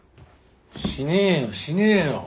しねえよしねえよ！